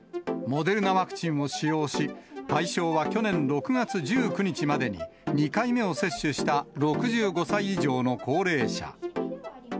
モデルナワクチンを使用し、対象は去年６月１９日までに２回目を接種した６５歳以上の高齢者。